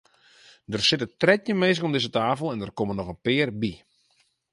Der sitte trettjin minsken om dizze tafel en der komme noch in pear by.